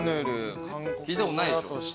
聞いたことないでしょ？